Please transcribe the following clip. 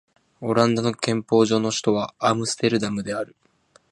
オランダの憲法上の首都はアムステルダムである